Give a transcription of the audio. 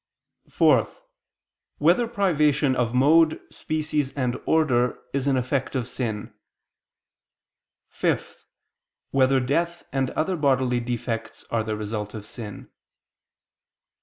(4) Whether privation of mode, species and order is an effect of sin? (5) Whether death and other bodily defects are the result of sin?